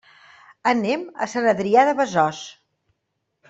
Anem a Sant Adrià de Besòs.